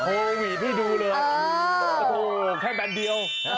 โอ้โฮพี่ดูเลยโอ้โฮแค่แบนเดียว